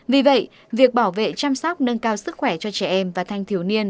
vì vậy việc bảo vệ chăm sóc nâng cao sức khỏe cho trẻ em và thanh thiếu niên